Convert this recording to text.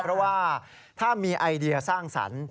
เพราะว่าถ้ามีไอเดียสร้างสรรค์